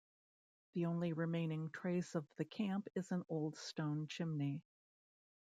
The only remaining trace of the camp is an old stone chimney.